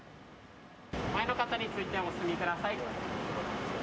前の方に続いてお進みください。